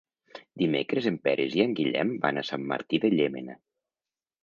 Dimecres en Peris i en Guillem van a Sant Martí de Llémena.